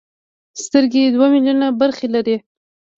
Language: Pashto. سترګې دوه ملیونه برخې لري.